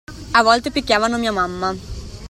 A volte picchiavano mia mamma.